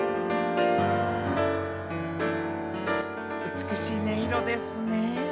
美しい音色ですね。